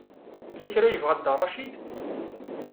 Yella kra ay yebɣa Dda Racid?